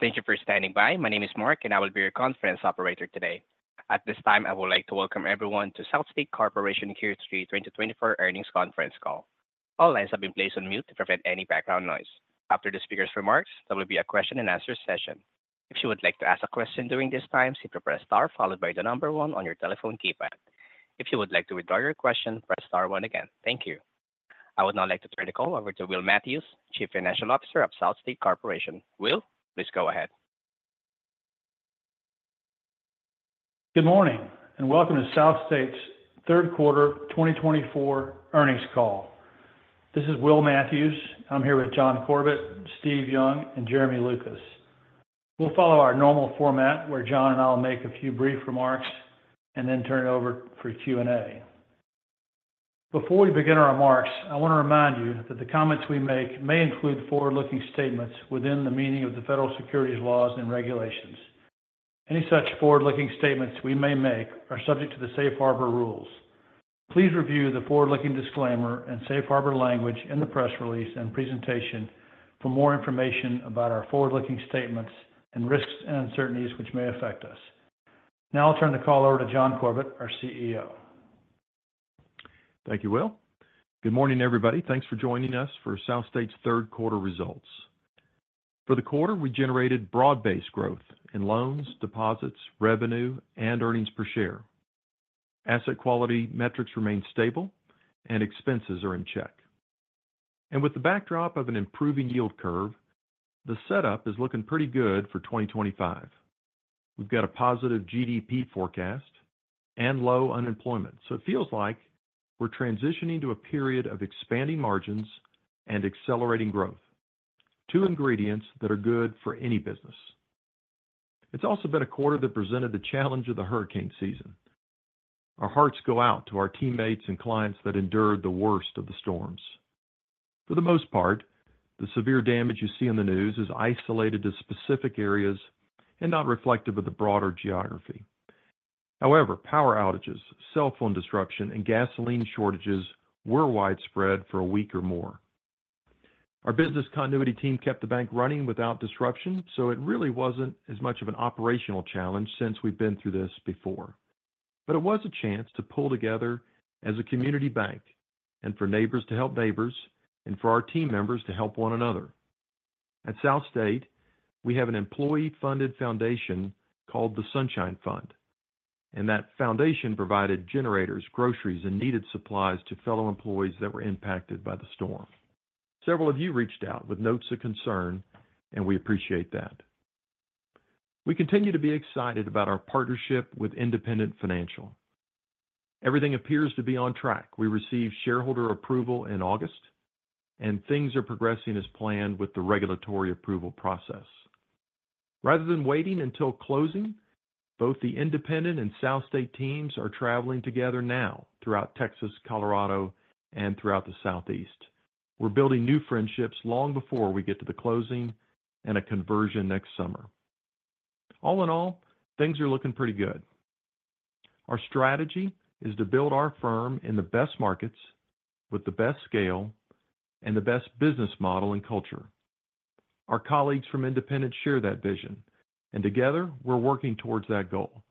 Thank you for standing by. My name is Mark, and I will be your conference operator today. At this time, I would like to welcome everyone to SouthState Corporation Q3 twenty twenty-four earnings conference call. All lines have been placed on mute to prevent any background noise. After the speaker's remarks, there will be a question and answer session. If you would like to ask a question during this time, simply press Star followed by the number one on your telephone keypad. If you would like to withdraw your question, press Star one again. Thank you. I would now like to turn the call over to Will Matthews, Chief Financial Officer of SouthState Corporation. Will, please go ahead. Good morning, and welcome to SouthState's third quarter twenty twenty-four earnings call. This is Will Matthews. I'm here with John Corbett, Steve Young, and Jeremy Lucas. We'll follow our normal format, where John and I will make a few brief remarks and then turn it over for Q&A. Before we begin our remarks, I want to remind you that the comments we make may include forward-looking statements within the meaning of the federal securities laws and regulations. Any such forward-looking statements we may make are subject to the Safe Harbor rules. Please review the forward-looking disclaimer and Safe Harbor language in the press release and presentation for more information about our forward-looking statements and risks and uncertainties which may affect us. Now I'll turn the call over to John Corbett, our CEO. Thank you, Will. Good morning, everybody. Thanks for joining us for SouthState's third quarter results. For the quarter, we generated broad-based growth in loans, deposits, revenue, and earnings per share. Asset quality metrics remain stable and expenses are in check, and with the backdrop of an improving yield curve, the setup is looking pretty good for twenty twenty-five. We've got a positive GDP forecast and low unemployment, so it feels like we're transitioning to a period of expanding margins and accelerating growth, two ingredients that are good for any business. It's also been a quarter that presented the challenge of the hurricane season. Our hearts go out to our teammates and clients that endured the worst of the storms. For the most part, the severe damage you see on the news is isolated to specific areas and not reflective of the broader geography. However, power outages, cell phone disruption, and gasoline shortages were widespread for a week or more. Our business continuity team kept the bank running without disruption, so it really wasn't as much of an operational challenge since we've been through this before. But it was a chance to pull together as a community bank and for neighbors to help neighbors, and for our team members to help one another. At South State, we have an employee-funded foundation called the Sunshine Fund, and that foundation provided generators, groceries, and needed supplies to fellow employees that were impacted by the storm. Several of you reached out with notes of concern, and we appreciate that. We continue to be excited about our partnership with Independent Financial. Everything appears to be on track. We received shareholder approval in August, and things are progressing as planned with the regulatory approval process. Rather than waiting until closing, both the Independent and South State teams are traveling together now throughout Texas, Colorado, and throughout the Southeast. We're building new friendships long before we get to the closing and a conversion next summer. All in all, things are looking pretty good. Our strategy is to build our firm in the best markets, with the best scale and the best business model and culture. Our colleagues from Independent share that vision, and together, we're working towards that goal,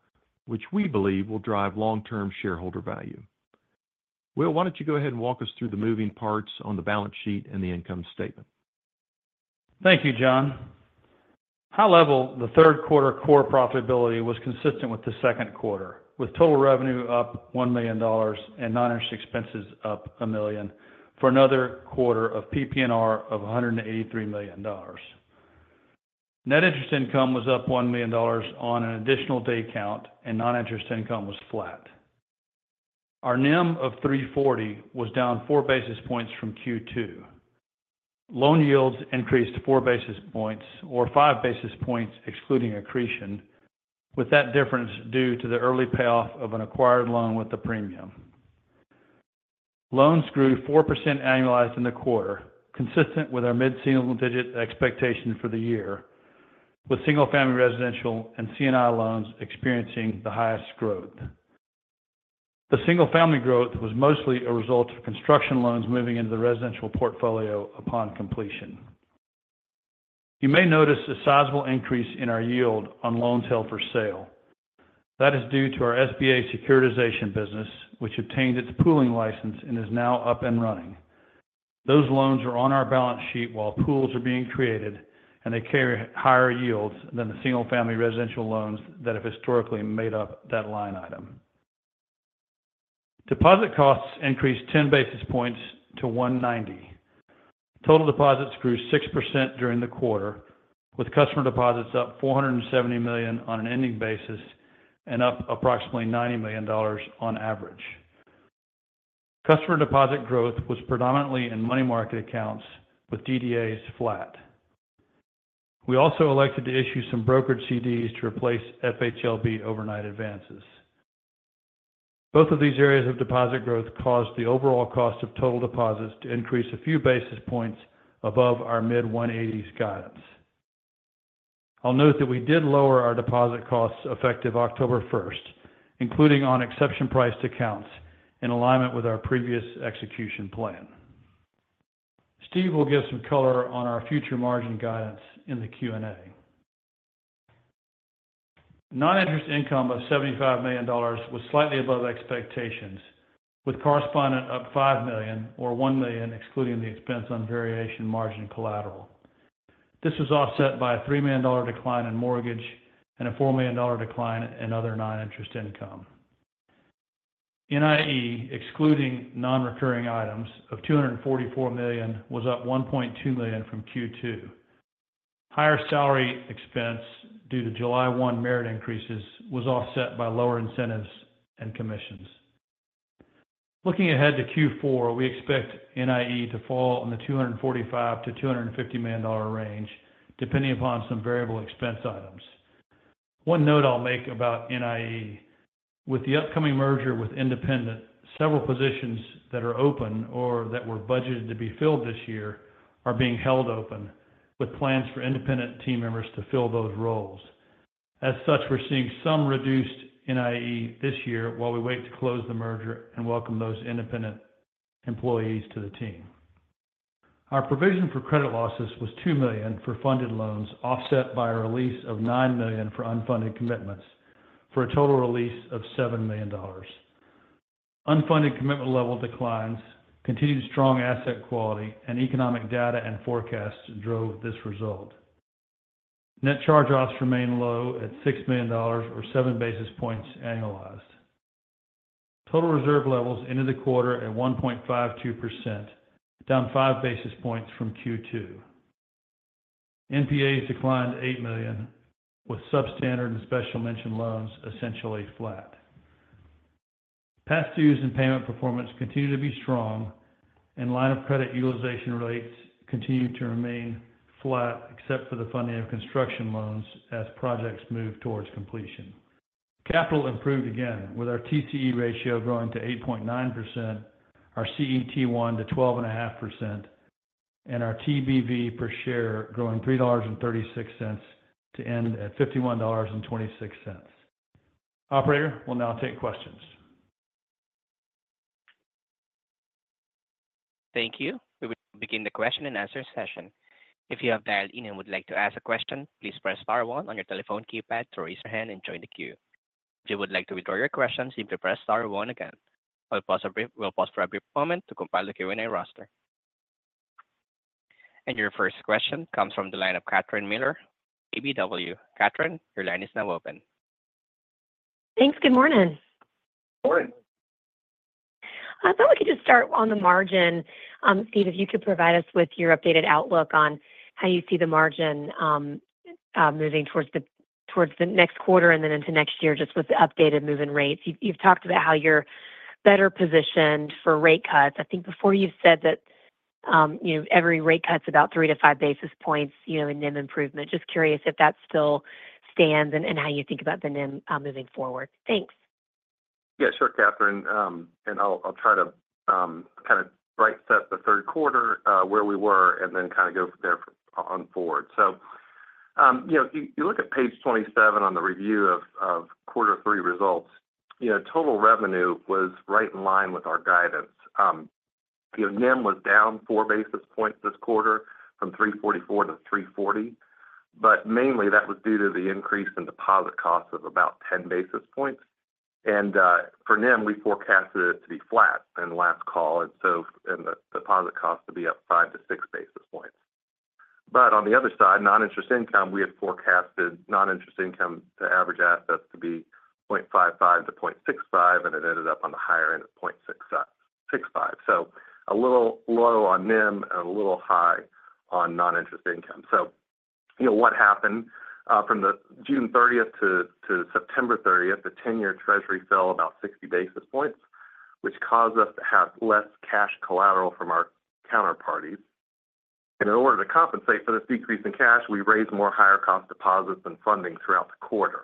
which we believe will drive long-term shareholder value. Will, why don't you go ahead and walk us through the moving parts on the balance sheet and the income statement? Thank you, John. High level, the third quarter core profitability was consistent with the second quarter, with total revenue up $1 million and non-interest expenses up $1 million for another quarter of PPNR of $183 million. Net interest income was up $1 million on an additional day count, and non-interest income was flat. Our NIM of 3.40% was down four basis points from Q2. Loan yields increased four basis points or five basis points, excluding accretion, with that difference due to the early payoff of an acquired loan with a premium. Loans grew 4% annualized in the quarter, consistent with our mid-single-digit expectation for the year, with single-family residential and C&I loans experiencing the highest growth. The single-family growth was mostly a result of construction loans moving into the residential portfolio upon completion. You may notice a sizable increase in our yield on loans held for sale. That is due to our SBA securitization business, which obtained its pooling license and is now up and running. Those loans are on our balance sheet while pools are being created, and they carry higher yields than the single-family residential loans that have historically made up that line item. Deposit costs increased 10 basis points to 1.90%. Total deposits grew 6% during the quarter, with customer deposits up $470 million on an ending basis and up approximately $90 million on average. Customer deposit growth was predominantly in money market accounts, with DDAs flat. We also elected to issue some brokered CDs to replace FHLB overnight advances. Both of these areas of deposit growth caused the overall cost of total deposits to increase a few basis points above our mid-one eighties guidance. I'll note that we did lower our deposit costs effective October first, including on exception-priced accounts, in alignment with our previous execution plan. Steve will give some color on our future margin guidance in the Q&A. Non-interest income of $75 million was slightly above expectations, with correspondent up $5 million or $1 million, excluding the expense on variation margin collateral. This was offset by a $3 million decline in mortgage and a $4 million decline in other non-interest income. NIE, excluding non-recurring items of $244 million, was up $1.2 million from Q2. Higher salary expense due to July 1 merit increases was offset by lower incentives and commissions. Looking ahead to Q4, we expect NIE to fall in the $245 million-$250 million range, depending upon some variable expense items. One note I'll make about NIE: with the upcoming merger with Independent, several positions that are open or that were budgeted to be filled this year are being held open, with plans for Independent team members to fill those roles. As such, we're seeing some reduced NIE this year while we wait to close the merger and welcome those Independent employees to the team. Our provision for credit losses was $2 million for funded loans, offset by a release of $9 million for unfunded commitments, for a total release of $7 million. Unfunded commitment level declines, continued strong asset quality, and economic data and forecasts drove this result. Net charge-offs remain low at $6 million or seven basis points annualized. Total reserve levels ended the quarter at 1.52%, down five basis points from Q2. NPAs declined $8 million, with substandard and special mention loans essentially flat. Past dues and payment performance continue to be strong, and line of credit utilization rates continue to remain flat, except for the funding of construction loans as projects move towards completion. Capital improved again, with our TCE ratio growing to 8.9%, our CET1 to 12.5%, and our TBV per share growing $3.36 to end at $51.26. Operator, we'll now take questions. Thank you. We will begin the question and answer session. If you have dialed in and would like to ask a question, please press star one on your telephone keypad to raise your hand and join the queue. If you would like to withdraw your question, simply press star one again. We'll pause for a brief moment to compile the Q&A roster, and your first question comes from the line of Catherine Mealor, KBW. Catherine, your line is now open. Thanks. Good morning. Good morning. I thought we could just start on the margin. Steve, if you could provide us with your updated outlook on how you see the margin moving towards the next quarter and then into next year, just with the updated moving rates. You've talked about how you're better positioned for rate cuts. I think before you said that, you know, every rate cut is about three to five basis points, you know, in NIM improvement. Just curious if that still stands and how you think about the NIM moving forward. Thanks. Yeah, sure, Catherine. And I'll try to kind of recap the third quarter, where we were and then kind of go from there forward. So, you know, if you look at page 27 on the review of quarter three results, you know, total revenue was right in line with our guidance. You know, NIM was down 4 basis points this quarter from 344 to 340, but mainly that was due to the increase in deposit costs of about 10 basis points. And for NIM, we forecasted it to be flat in the last call, and so the deposit costs to be up 5-6 basis points. But on the other side, non-interest income, we had forecasted non-interest income to average assets to be 0.55-0.65, and it ended up on the higher end at 0.65. So a little low on NIM and a little high on non-interest income. So you know, what happened from June thirtieth to September thirtieth, the ten-year Treasury fell about 60 basis points, which caused us to have less cash collateral from our counterparties. And in order to compensate for this decrease in cash, we raised more higher cost deposits and funding throughout the quarter.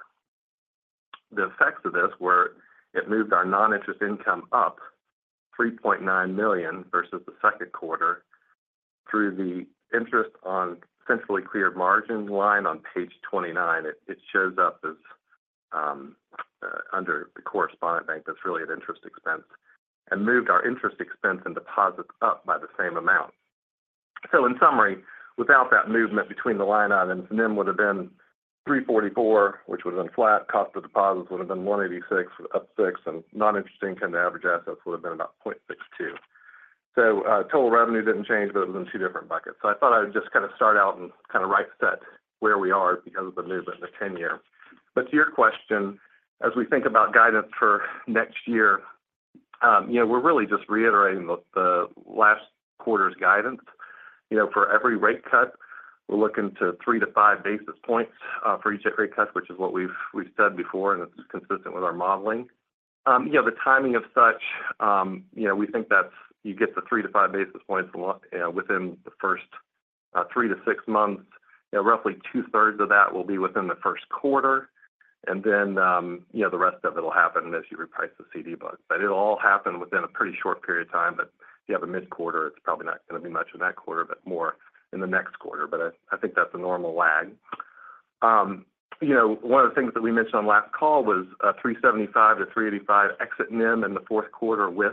The effects of this were: it moved our non-interest income up $3.9 million versus the second quarter through the interest on centrally cleared margin line on page 29. It shows up as under the correspondent bank. That's really an interest expense, and moved our interest expense and deposits up by the same amount. So in summary, without that movement between the line items, NIM would have been 3.44%, which would have been flat. Cost of deposits would have been 1.86%, up 6, and non-interest income to average assets would have been about 0.62%. So total revenue didn't change, but it was in two different buckets. So I thought I would just kind of start out and kind of reset where we are because of the movement in the 10-year. But to your question, as we think about guidance for next year, you know, we're really just reiterating the last quarter's guidance. You know, for every rate cut, we're looking to three to five basis points for each rate cut, which is what we've said before, and it's consistent with our modeling. Yeah, the timing of such, you know, we think that's you get the three to five basis points within the first three to six months. Roughly two-thirds of that will be within the first quarter, and then you know, the rest of it will happen as you reprice the CD books. But it'll all happen within a pretty short period of time, but if you have a mid-quarter, it's probably not going to be much in that quarter, but more in the next quarter. But I think that's a normal lag. You know, one of the things that we mentioned on last call was 375-385 exit NIM in the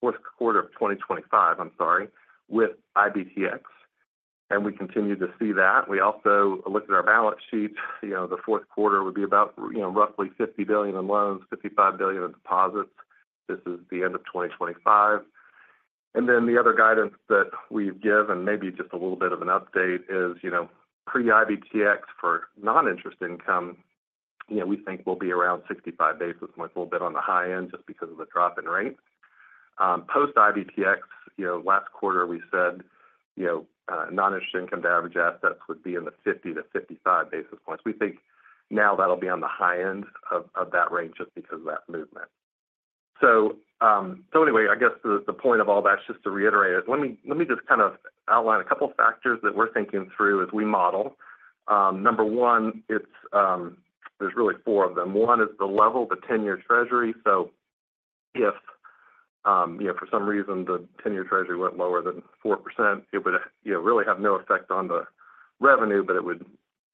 fourth quarter of 2025, I'm sorry, with IBTX, and we continue to see that. We also looked at our balance sheet. You know, the fourth quarter would be about, you know, roughly $50 billion in loans, $55 billion in deposits. This is the end of 2025. Then the other guidance that we've given, maybe just a little bit of an update, is, you know, pre-IBTX for non-interest income, you know, we think will be around 65 basis points, a little bit on the high end just because of the drop in rates. Post-IBTX, you know, last quarter we said, you know, non-interest income to average assets would be in the 50-55 basis points. We think now that'll be on the high end of that range just because of that movement. So, so anyway, I guess the point of all that is just to reiterate. Let me just kind of outline a couple factors that we're thinking through as we model. Number one. There's really four of them. One is the level of the ten-year Treasury. So if you know, for some reason, the ten-year Treasury went lower than 4%, it would, you know, really have no effect on the revenue, but it would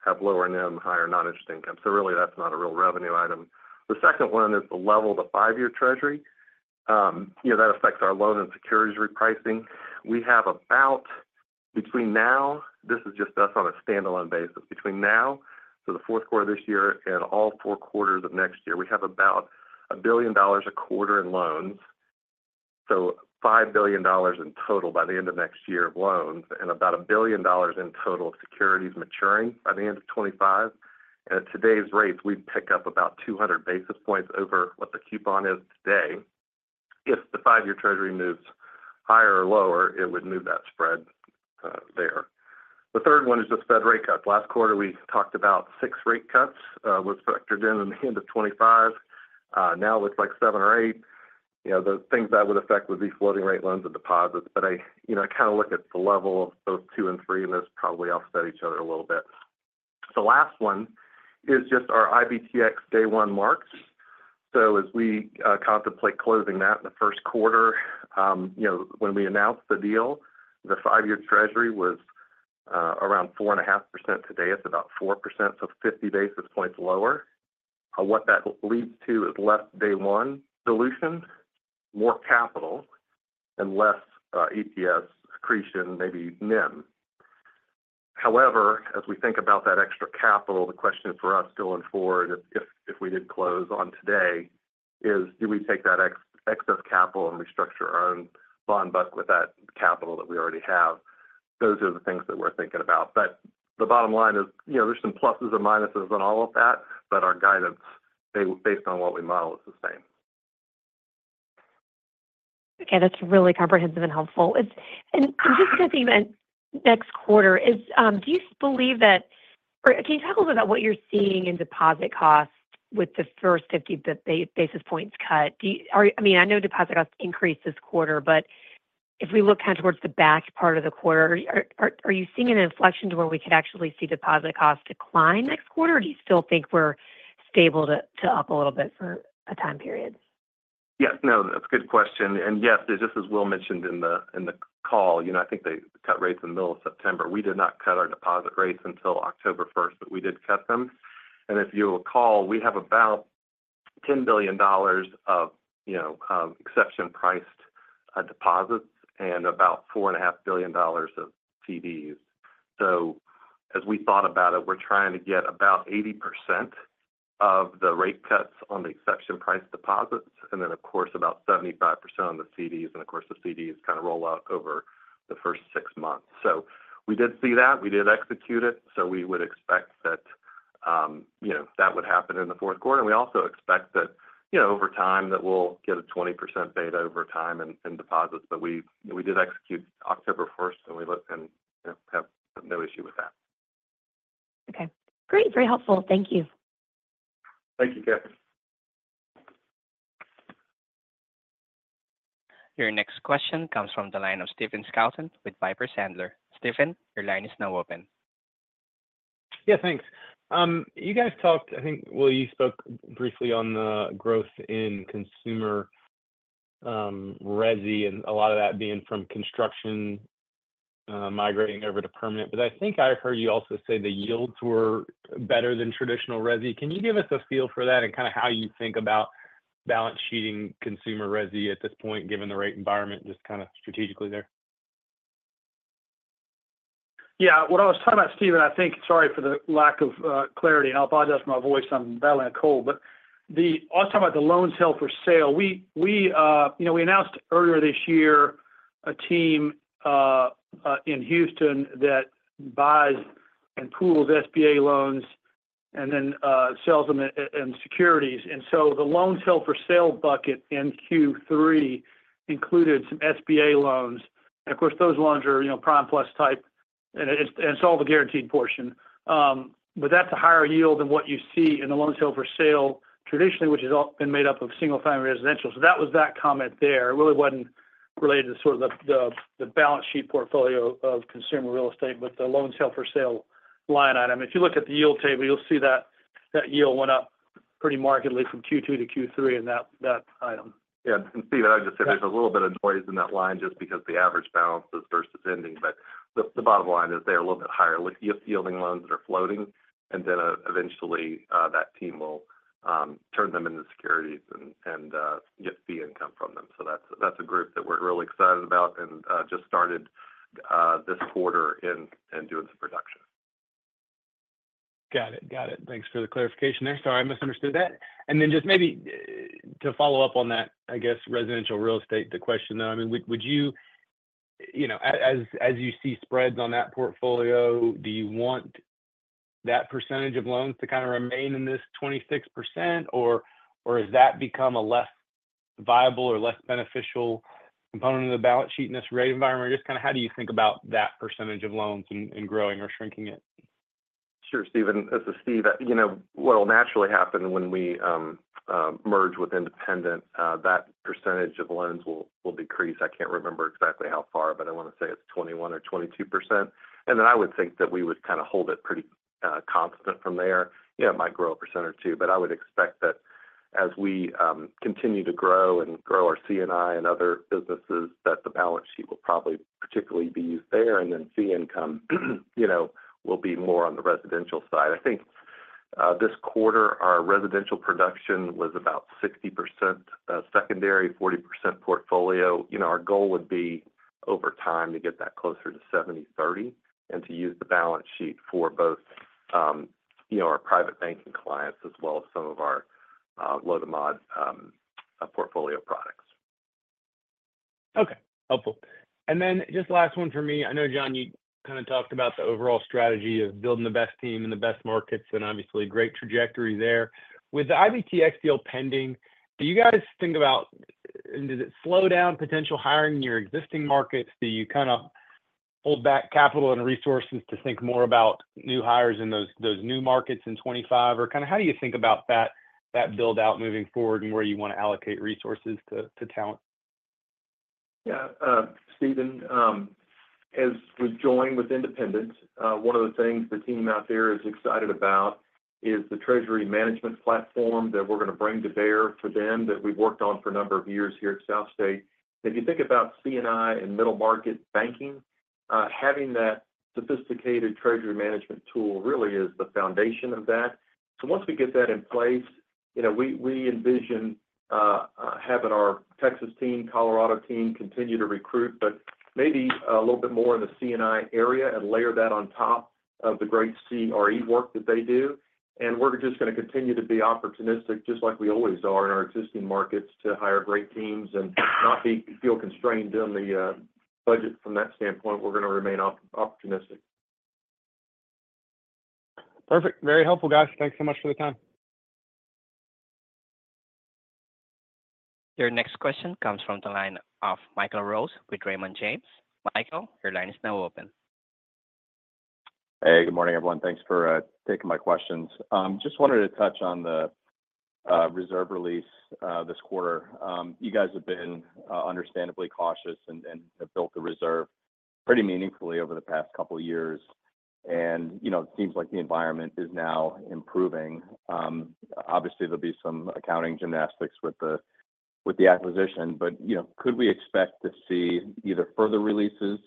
have lower NIM, higher non-interest income. So really, that's not a real revenue item. The second one is the level of the five-year Treasury. You know, that affects our loan and securities repricing. We have about, this is just us on a standalone basis, between now, so the fourth quarter of this year and all four quarters of next year, we have about $1 billion a quarter in loans, so $5 billion in total by the end of next year of loans, and about $1 billion in total of securities maturing by the end of 2025. At today's rates, we'd pick up about 200 basis points over what the coupon is today. If the five-year Treasury moves higher or lower, it would move that spread there. The third one is just Fed rate cuts. Last quarter, we talked about six rate cuts was factored in in the end of 2025. Now it looks like seven or eight. You know, the things that would affect would be floating-rate loans and deposits, but I, you know, I kind of look at the level of both two and three, and those probably offset each other a little bit. The last one is just our IBTX day one marks. So as we contemplate closing that in the first quarter, you know, when we announced the deal, the five-year Treasury was around 4.5%. Today, it's about 4%, so 50 basis points lower. What that leads to is less day one dilution, more capital, and less EPS accretion, maybe NIM. However, as we think about that extra capital, the question for us going forward, if we did close on today, is, do we take that excess capital and restructure our own bond book with that capital that we already have? Those are the things that we're thinking about. But the bottom line is, you know, there's some pluses and minuses on all of that, but our guidance, based on what we model, is the same. Okay, that's really comprehensive and helpful. And just with the next quarter, do you believe that or can you talk a little about what you're seeing in deposit costs with the first fifty basis points cut? I mean, I know deposit costs increased this quarter, but if we look kind of towards the back part of the quarter, are you seeing an inflection to where we could actually see deposit costs decline next quarter, or do you still think we're stable to up a little bit for a time period? Yes. No, that's a good question. And yes, just as Will mentioned in the call, you know, I think they cut rates in the middle of September. We did not cut our deposit rates until October first, but we did cut them. And if you recall, we have about $10 billion of, you know, exception-priced deposits and about $4.5 billion of CDs. So as we thought about it, we're trying to get about 80% of the rate cuts on the exception-priced deposits, and then, of course, about 75% on the CDs. And of course, the CDs kind of roll out over the first six months. So we did see that. We did execute it, so we would expect that, you know, that would happen in the fourth quarter. And we also expect that, you know, over time, that we'll get a 20% beta over time in deposits. But we did execute October first, and we look and, you know, have no issue with that. Okay. Great. Very helpful. Thank you. Thank you, Kathy. Your next question comes from the line of Stephen Scouten with Piper Sandler. Stephen, your line is now open. Yeah, thanks. You guys talked, I think, Will, you spoke briefly on the growth in consumer resi, and a lot of that being from construction migrating over to permanent. But I think I heard you also say the yields were better than traditional resi. Can you give us a feel for that and kind of how you think about balance sheeting consumer resi at this point, given the rate environment, just kind of strategically there? Yeah. What I was talking about, Stephen, I think, sorry for the lack of clarity, and I apologize for my voice. I'm battling a cold. But. I was talking about the loans held for sale. We, you know, we announced earlier this year a team in Houston that buys and pools SBA loans and then sells them in securities. And so the loans held for sale bucket in Q3 included some SBA loans. And of course, those loans are, you know, prime plus type, and it's all the guaranteed portion. But that's a higher yield than what you see in the loans held for sale traditionally, which has all been made up of single-family residential. So that was that comment there. It really wasn't related to sort of the balance sheet portfolio of consumer real estate, but the loans held for sale line item. If you look at the yield table, you'll see that that yield went up pretty markedly from Q2 to Q3 in that item. Yeah, and Steve, I'd just say there's a little bit of noise in that line just because the average balances versus ending. But the bottom line is they're a little bit higher yielding loans that are floating, and then eventually that team will turn them into securities and get fee income from them. So that's a group that we're really excited about and just started this quarter in doing some production. Got it. Thanks for the clarification there. Sorry, I misunderstood that. And then just maybe to follow up on that, I guess, residential real estate, the question, though, I mean, would you, you know, as you see spreads on that portfolio, do you want that percentage of loans to kind of remain in this 26%, or has that become a less viable or less beneficial component of the balance sheet in this rate environment? Just kind of how do you think about that percentage of loans and growing or shrinking it? Sure, Steven, this is Steve. You know, what will naturally happen when we merge with Independent, that percentage of loans will decrease. I can't remember exactly how far, but I want to say it's 21% or 22%. And then I would think that we would kind of hold it pretty constant from there. Yeah, it might grow a percent or two, but I would expect that as we continue to grow and grow our C&I and other businesses, that the balance sheet will probably particularly be used there, and then fee income, you know, will be more on the residential side. I think this quarter, our residential production was about 60% secondary, 40% portfolio. You know, our goal would be, over time, to get that closer to seventy-thirty and to use the balance sheet for both, you know, our private banking clients as well as some of our low to mod portfolio products. Okay. Helpful. And then just last one for me. I know, John, you kind of talked about the overall strategy of building the best team in the best markets, and obviously, great trajectory there. With the IBTX deal pending, do you guys think about, and does it slow down potential hiring in your existing markets? Do you kind of hold back capital and resources to think more about new hires in those new markets in 2025? Or kind of how do you think about that build-out moving forward and where you want to allocate resources to talent? Yeah, Steven, as we join with Independent, one of the things the team out there is excited about is the treasury management platform that we're going to bring to bear for them, that we've worked on for a number of years here at South State. If you think about C&I and middle-market banking, having that sophisticated treasury management tool really is the foundation of that. So once we get that in place, you know, we envision having our Texas team, Colorado team continue to recruit, but maybe a little bit more in the C&I area and layer that on top of the great CRE work that they do. And we're just going to continue to be opportunistic, just like we always are in our existing markets, to hire great teams and not feel constrained in the budget from that standpoint. We're going to remain opportunistic. Perfect. Very helpful, guys. Thanks so much for the time. Your next question comes from the line of Michael Rose with Raymond James. Michael, your line is now open. Hey, good morning, everyone. Thanks for taking my questions. Just wanted to touch on the reserve release this quarter. You guys have been understandably cautious and have built the reserve pretty meaningfully over the past couple of years. You know, it seems like the environment is now improving. Obviously, there'll be some accounting gymnastics with the acquisition, but you know, could we expect to see either further releases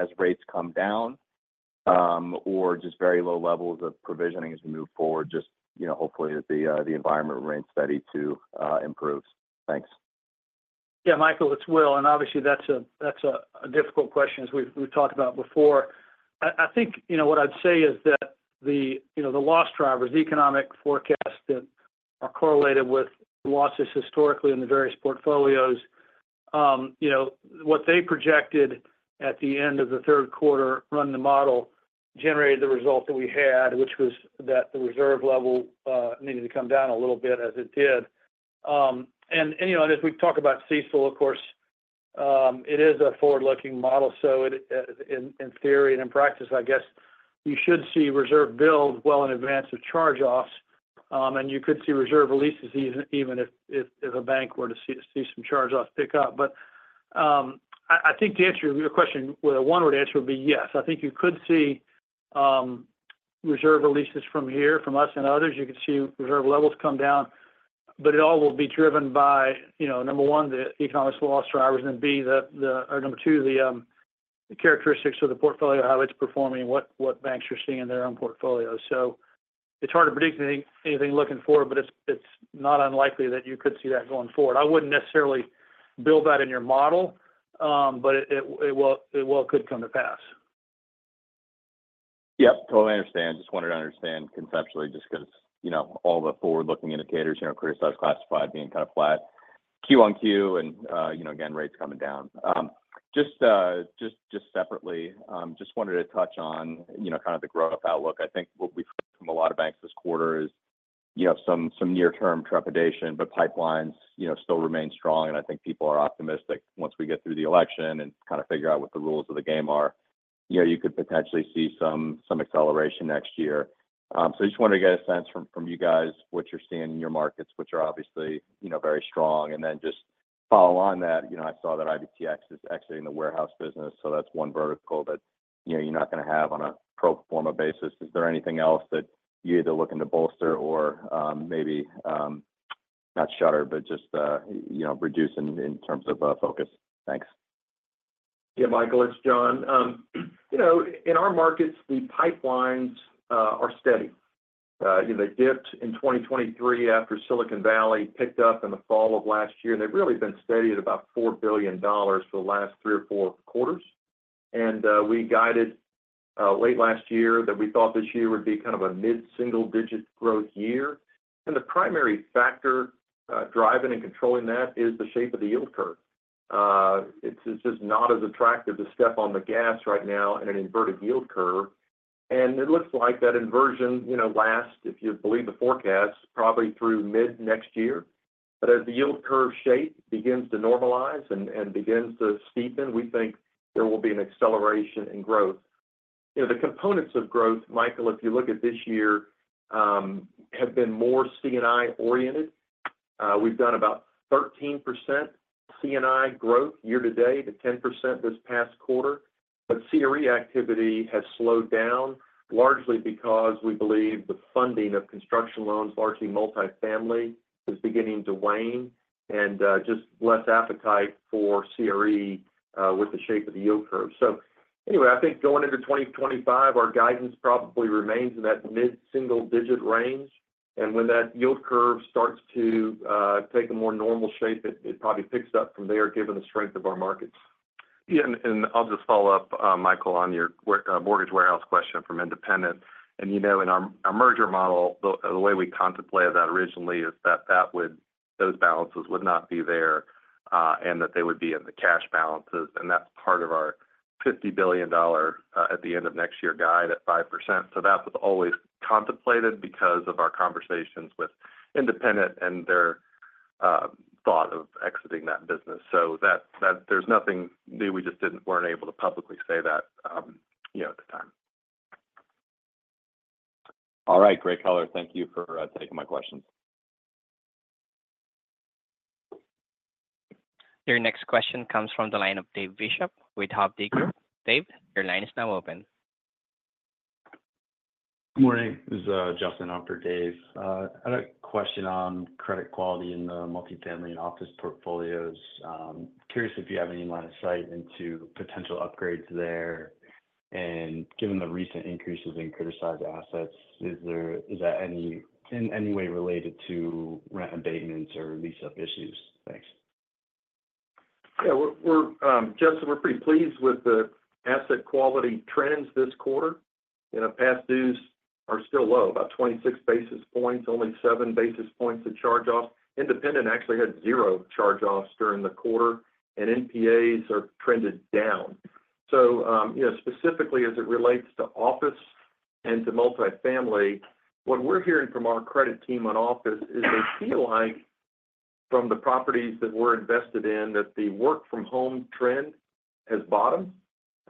as rates come down or just very low levels of provisioning as we move forward? Just you know, hopefully that the environment remains steady to improve. Thanks. Yeah, Michael, it's Will. And obviously, that's a difficult question, as we've talked about before. I think, you know, what I'd say is that the you know the loss drivers, the economic forecasts that are correlated with losses historically in the various portfolios, you know, what they projected at the end of the third quarter run the model, generated the result that we had, which was that the reserve level needed to come down a little bit, as it did. And, you know, and as we talk about CECL, of course, it is a forward-looking model, so it in theory and in practice, I guess you should see reserve build well in advance of charge-offs, and you could see reserve releases even if a bank were to see some charge-offs pick up. But I think the answer to your question with a one-word answer would be yes. I think you could see reserve releases from here, from us and others. You could see reserve levels come down, but it all will be driven by, you know, number one, the economic loss drivers, and then B, or number two, the characteristics of the portfolio, how it's performing, what banks are seeing in their own portfolios. So it's hard to predict anything looking forward, but it's not unlikely that you could see that going forward. I wouldn't necessarily build that in your model, but it well could come to pass. Yep, totally understand. Just wanted to understand conceptually, just 'cause, you know, all the forward-looking indicators, you know, criticized, classified, being kind of flat, Q on Q, and, you know, again, rates coming down. Just separately, just wanted to touch on, you know, kind of the growth outlook. I think what we've heard from a lot of banks this quarter is, you know, some near-term trepidation, but pipelines, you know, still remain strong, and I think people are optimistic. Once we get through the election and kind of figure out what the rules of the game are, you know, you could potentially see some acceleration next year. So I just wanted to get a sense from you guys, what you're seeing in your markets, which are obviously, you know, very strong, and then follow on that, you know, I saw that IBTX is exiting the warehouse business, so that's one vertical that, you know, you're not going to have on a pro forma basis. Is there anything else that you either looking to bolster or, maybe, not shutter, but just, you know, reduce in terms of focus? Thanks. Yeah, Michael, it's John. You know, in our markets, the pipelines are steady. You know, they dipped in 2023 after Silicon Valley, picked up in the fall of last year, and they've really been steady at about $4 billion for the last three or four quarters. We guided late last year that we thought this year would be kind of a mid-single-digit growth year. The primary factor driving and controlling that is the shape of the yield curve. It's just not as attractive to step on the gas right now in an inverted yield curve, and it looks like that inversion, you know, lasts, if you believe the forecast, probably through mid-next year. But as the yield curve shape begins to normalize and begins to steepen, we think there will be an acceleration in growth. You know, the components of growth, Michael, if you look at this year, have been more C&I oriented. We've done about 13% C&I growth year to date to 10% this past quarter, but CRE activity has slowed down, largely because we believe the funding of construction loans, largely multifamily, is beginning to wane and just less appetite for CRE with the shape of the yield curve. So anyway, I think going into 2025, our guidance probably remains in that mid-single-digit range, and when that yield curve starts to take a more normal shape, it probably picks up from there, given the strength of our markets. Yeah, and I'll just follow up, Michael, on your mortgage warehouse question from Independent. And, you know, in our merger model, the way we contemplated that originally is that those balances would not be there, and that they would be in the cash balances, and that's part of our $50 billion at the end of next year guide at 5%. So that was always contemplated because of our conversations with Independent and their thought of exiting that business. So that, there's nothing new. We just weren't able to publicly say that, you know, at the time. All right. Great color. Thank you for taking my questions. Your next question comes from the line of Dave Bishop with Hovde Group. Dave, your line is now open. Good morning. This is Justin on for Dave. I had a question on credit quality in the multifamily and office portfolios. Curious if you have any line of sight into potential upgrades there. And given the recent increases in criticized assets, is that in any way related to rent abatements or lease-up issues? Thanks. Yeah, we're, Justin, we're pretty pleased with the asset quality trends this quarter. You know, past dues are still low, about 26 basis points, only 7 basis points of charge-off. Independent actually had zero charge-offs during the quarter, and NPAs are trended down. So, you know, specifically as it relates to office and to multifamily, what we're hearing from our credit team on office is they feel like from the properties that we're invested in, that the work-from-home trend has bottomed.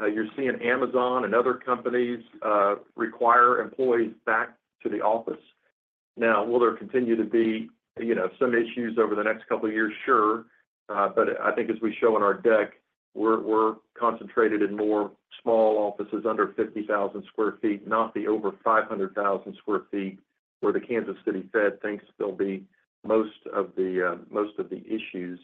You're seeing Amazon and other companies require employees back to the office. Now, will there continue to be, you know, some issues over the next couple of years? Sure. But I think as we show in our deck, we're concentrated in more small offices under 50,000 sq ft, not the over 500,000 sq ft, where the Kansas City Fed thinks there'll be most of the issues.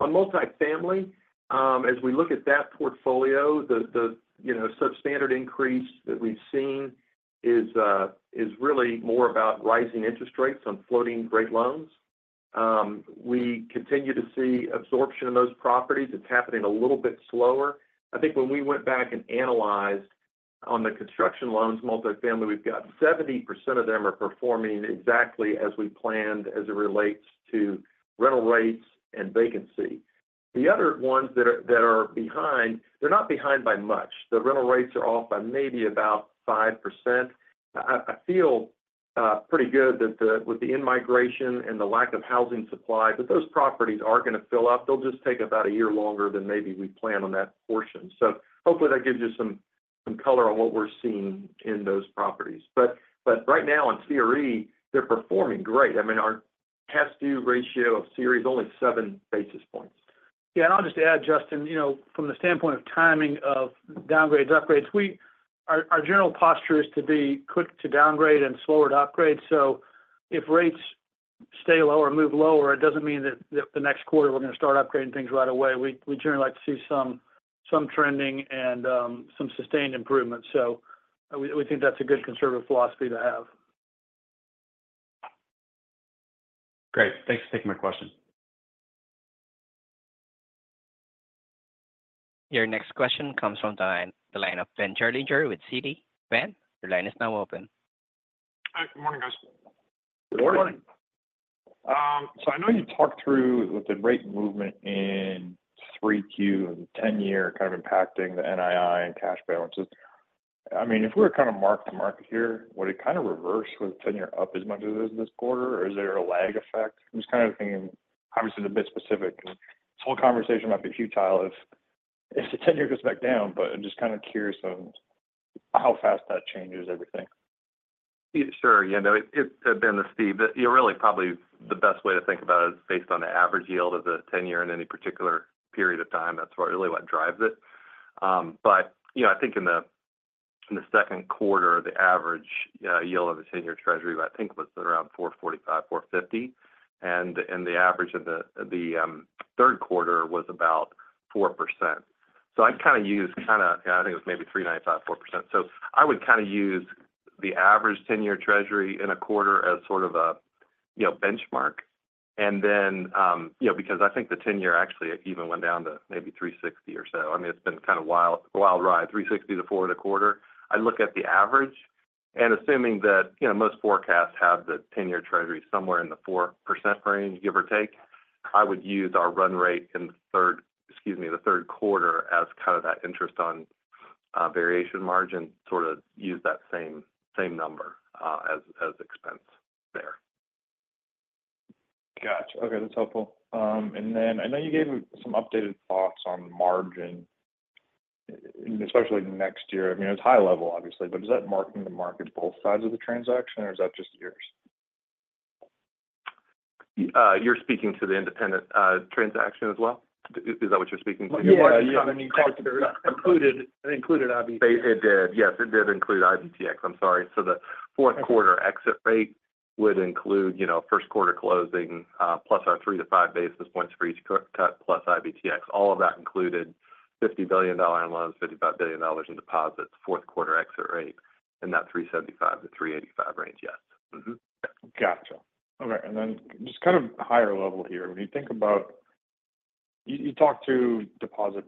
On multifamily, as we look at that portfolio, the you know substandard increase that we've seen is really more about rising interest rates on floating rate loans. We continue to see absorption of those properties. It's happening a little bit slower. I think when we went back and analyzed on the construction loans, multifamily, we've got 70% of them are performing exactly as we planned as it relates to rental rates and vacancy. The other ones that are behind, they're not behind by much. The rental rates are off by maybe about 5%. I feel pretty good that with the in-migration and the lack of housing supply, that those properties are going to fill up. They'll just take about a year longer than maybe we planned on that portion. So hopefully that gives you some color on what we're seeing in those properties. But right now in CRE, they're performing great. I mean, our past due ratio of CRE is only seven basis points. Yeah, and I'll just add, Justin, you know, from the standpoint of timing of downgrades, upgrades, our, our general posture is to be quick to downgrade and slower to upgrade. So if rates stay low or move lower, it doesn't mean that the next quarter we're going to start upgrading things right away. We generally like to see some trending and some sustained improvement, so we think that's a good conservative philosophy to have. Great. Thanks for taking my question. Your next question comes from the line of Ben Gerlinger with Citi. Ben, your line is now open. Hi, good morning, guys. Good morning. Good morning. So I know you talked through with the rate movement in 3Q and the ten-year kind of impacting the NII and cash balances. I mean, if we were to kind of mark the market here, would it kind of reverse with the ten-year up as much as it is this quarter, or is there a lag effect? I'm just kind of thinking, obviously, the beta specific, because this whole conversation might be futile if the ten-year goes back down, but I'm just kind of curious on how fast that changes everything.... Sure. You know, it had been to Steve, but really, probably the best way to think about it is based on the average yield of the ten-year in any particular period of time. That's what really drives it. But, you know, I think in the second quarter, the average yield of the ten-year treasury was around 4.45, 4.50, and the average of the third quarter was about 4%. So I'd kind of use - I think it was maybe 3.5, 4%. So I would kind of use the average ten-year treasury in a quarter as sort of a benchmark. And then, you know, because I think the ten-year actually even went down to maybe 3.60 or so. I mean, it's been kind of wild, a wild ride, 360 to 4 in a quarter. I look at the average, and assuming that, you know, most forecasts have the 10-year Treasury somewhere in the 4% range, give or take, I would use our run rate in the third, excuse me, the third quarter as kind of that interest on variation margin, sort of use that same, same number as expense there. Got you. Okay, that's helpful, and then I know you gave some updated thoughts on margin, especially next year. I mean, it's high level, obviously, but is that marking the market both sides of the transaction, or is that just yours? You're speaking to the Independent transaction as well? Is that what you're speaking to? Yeah, yeah. I mean, it included IBTX. It did. Yes, it did include IBTX. I'm sorry. So the fourth quarter exit rate would include, you know, first quarter closing, plus our 3-5 basis points for each quarter cut, plus IBTX. All of that included $50 billion in loans, $55 billion in deposits, fourth quarter exit rate, in that 3.75%-3.85% range, yes. Mm-hmm. Got you. Okay, and then just kind of higher level here. When you think about you, you talked through deposit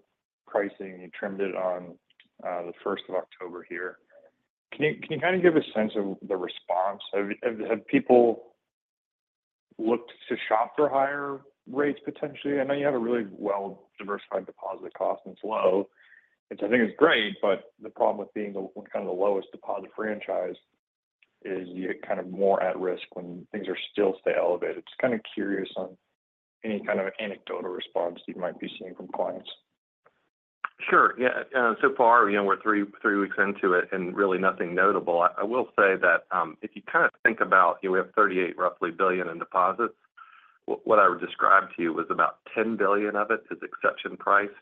pricing, you trimmed it on the first of October here. Can you kind of give a sense of the response? Have people looked to shop for higher rates, potentially? I know you have a really well-diversified deposit cost, and it's low, which I think is great, but the problem with being the, kind of the lowest deposit franchise is you're kind of more at risk when things are still stay elevated. Just kind of curious on any kind of anecdotal response you might be seeing from clients. Sure. Yeah, so far, you know, we're three weeks into it, and really nothing notable. I will say that, if you kind of think about, you know, we have roughly $38 billion in deposits. What I would describe to you was about $10 billion of it is exception priced.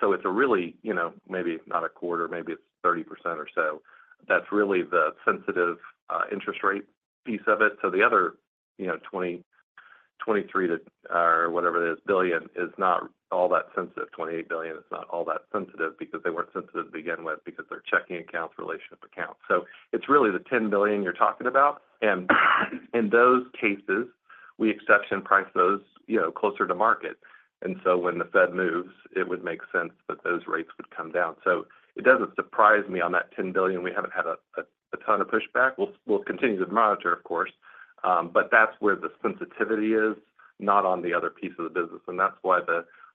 So it's a really, you know, maybe not a quarter, maybe it's 30% or so. That's really the sensitive interest rate piece of it. So the other, you know, $28 billion or whatever it is, is not all that sensitive. $28 billion is not all that sensitive because they weren't sensitive to begin with because they're checking accounts, relationship accounts. So it's really the $10 billion you're talking about. And in those cases, we exception price those, you know, closer to market. When the Fed moves, it would make sense that those rates would come down. So it doesn't surprise me on that 10 billion, we haven't had a ton of pushback. We'll continue to monitor, of course, but that's where the sensitivity is, not on the other piece of the business. That's why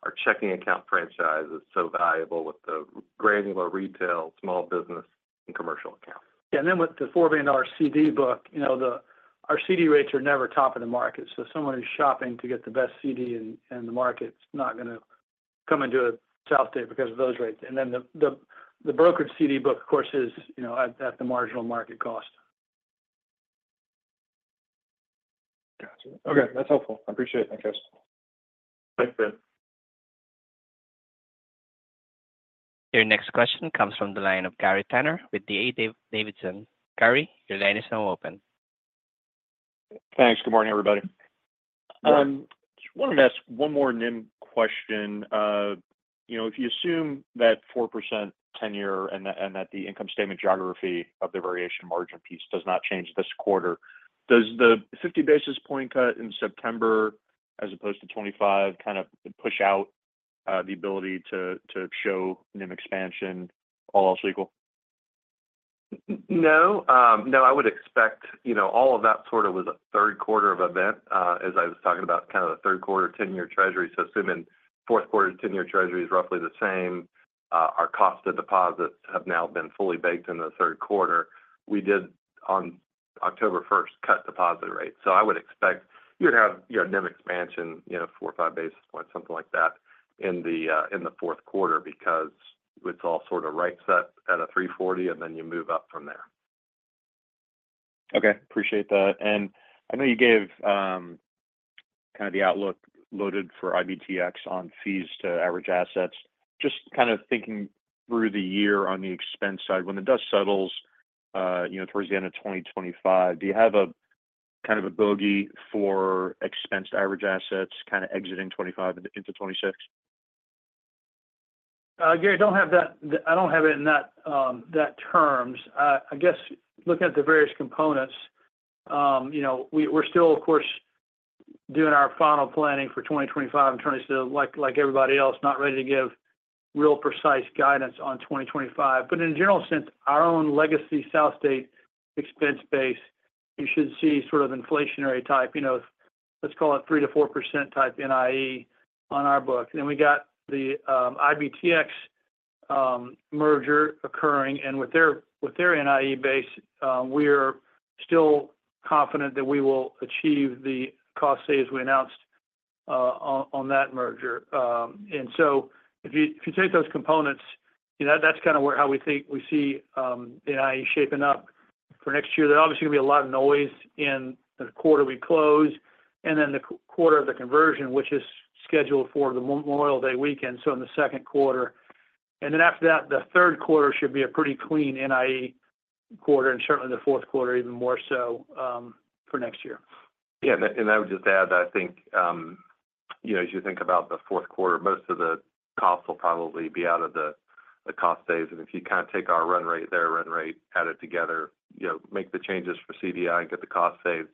our checking account franchise is so valuable with the granular retail, small business, and commercial accounts. Yeah, and then with the four billion CD book, you know, our CD rates are never top of the market. So someone who's shopping to get the best CD in the market is not gonna come into a South State because of those rates. And then the brokered CD book, of course, is, you know, at the marginal market cost. Got you. Okay, that's helpful. I appreciate it, guys. Thanks, Ben. Your next question comes from the line of Gary Tanner with D.A. Davidson. Gary, your line is now open. Thanks. Good morning, everybody. Just wanted to ask one more NIM question. You know, if you assume that 4% ten-year and that, and that the income statement geography of the variation margin piece does not change this quarter, does the 50 basis points cut in September, as opposed to 25, kind of push out the ability to show NIM expansion all else equal? No, I would expect, you know, all of that sort of was a third quarter event, as I was talking about, kind of the third quarter ten-year treasury. So assuming fourth quarter, ten-year treasury is roughly the same, our cost of deposits have now been fully baked in the third quarter. We did on October first, cut deposit rate. So I would expect you'd have your NIM expansion, you know, four or five basis points, something like that, in the fourth quarter, because it's all sort of right set at a three forty, and then you move up from there. Okay, appreciate that. And I know you gave kind of the outlook loaded for IBTX on fees to average assets. Just kind of thinking through the year on the expense side, when the dust settles, you know, towards the end of 2025, do you have a kind of a bogey for expense to average assets, kind of exiting 2025 into 2026? Gary, I don't have that. I don't have it in that terms. I guess looking at the various components, you know, we're still, of course, doing our final planning for 2025 and trying to still, like everybody else, not ready to give real precise guidance on 2025. But in a general sense, our own legacy South State expense base, you should see sort of inflationary type, you know, let's call it 3%-4% type NIE on our books. Then we got the IBTX merger occurring, and with their NIE base, we're still confident that we will achieve the cost saves we announced on that merger. and so if you, if you take those components, you know, that's kind of where how we think we see, NIE shaping up for next year. There are obviously going to be a lot of noise in the quarter we close, and then the quarter of the conversion, which is scheduled for the Memorial Day weekend, so in the second quarter. And then after that, the third quarter should be a pretty clean NIE quarter, and certainly the fourth quarter, even more so, for next year. Yeah, and I would just add that I think, you know, as you think about the fourth quarter, most of the costs will probably be out of the cost savings. And if you kind of take our run rate, their run rate, add it together, you know, make the changes for CDI and get the cost savings,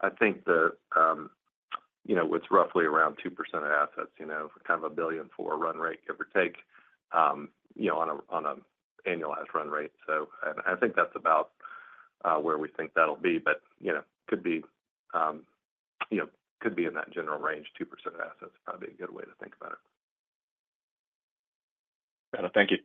I think, you know, it's roughly around 2% of assets, you know, kind of $1 billion for a run rate, give or take, you know, on an annualized run rate. So I think that's about where we think that'll be, but, you know, could be, you know, could be in that general range, 2% assets, probably a good way to think about it. Got it. Thank you.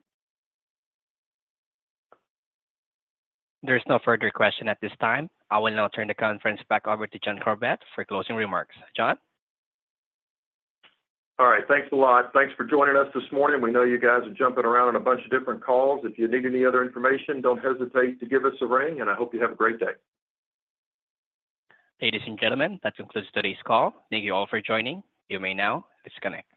There's no further question at this time. I will now turn the conference back over to John Corbett for closing remarks. John? All right. Thanks a lot. Thanks for joining us this morning. We know you guys are jumping around on a bunch of different calls. If you need any other information, don't hesitate to give us a ring, and I hope you have a great day. Ladies and gentlemen, that concludes today's call. Thank you all for joining. You may now disconnect.